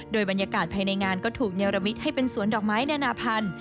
โดยบรรยากาศภายในงานก็ถูกเนรมิตให้เป็นสวนดอกไม้นานาพันธุ์